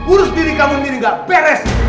urus diri kamu sendiri gak beres